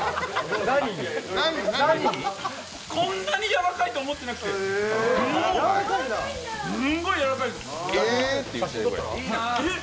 こんなに柔らかいと思って亡くて、もう、すんごい柔らかいです。